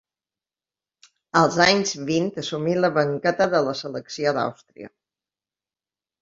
Als anys vint assumí la banqueta de la selecció d'Àustria.